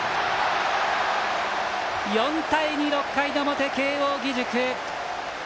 ４対２、６回の表慶応義塾。